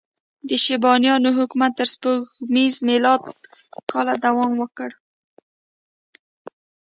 د شیبانیانو حکومت تر سپوږمیز میلادي کاله دوام وکړ.